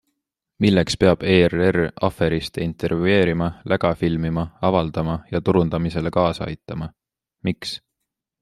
Milleks peab ERR aferiste intervjueerima, läga filmima, avaldama ja turundamisele kaasa aitama, miks?